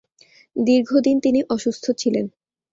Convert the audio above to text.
দীর্ঘদিন তিনি অসুস্থ ছিলেন।